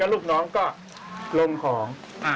ลูกน้องก็ลงของ